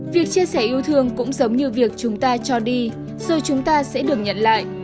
việc chia sẻ yêu thương cũng giống như việc chúng ta cho đi rồi chúng ta sẽ được nhận lại